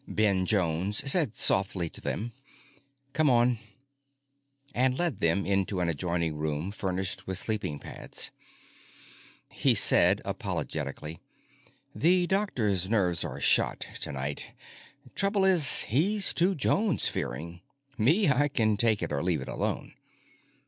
Ben Jones said softly to them, "Come on," and led them into an adjoining room furnished with sleeping pads. He said apologetically, "The doctor's nerves are shot tonight. Trouble is, he's too Jones fearing. Me, I can take it or leave it alone."